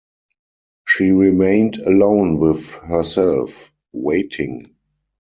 She remained alone with herself, waiting.